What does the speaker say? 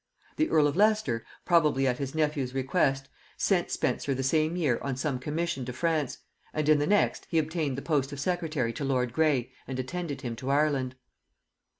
The earl of Leicester, probably at his nephew's request, sent Spenser the same year on some commission to France; and in the next he obtained the post of secretary to lord Grey, and attended him to Ireland.